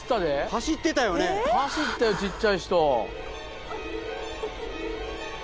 走ってたよちっちゃい人。